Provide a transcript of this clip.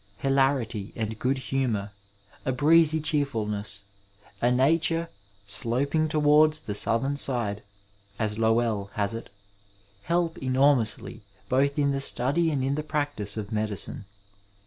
Hilarit7 and good humour, a breez7 cheerfulness, a nature " sloping toward the southern side,*' as Lowell has it, help enormousl7 both in the stud7 and in the practice of medicine.